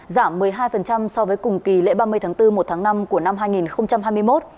giảm một mươi hai so với cùng kỳ lễ ba mươi tháng bốn một tháng năm của năm hai nghìn hai mươi một